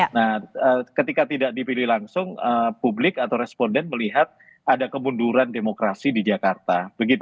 nah ketika tidak dipilih langsung publik atau responden melihat ada kemunduran demokrasi di jakarta